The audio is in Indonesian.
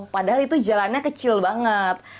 padahal itu jalannya kecil banget